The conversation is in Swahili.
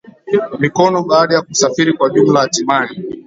mikono Baada ya kusafiri kwa jumla hatimaye